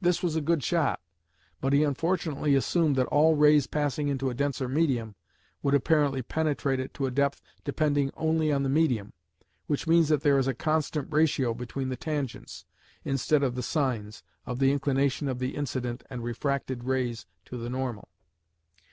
This was a good shot, but he unfortunately assumed that all rays passing into a denser medium would apparently penetrate it to a depth depending only on the medium, which means that there is a constant ratio between the tangents, instead of the sines, of the inclination of the incident and refracted rays to the normal.